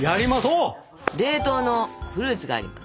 冷凍のフルーツがあります。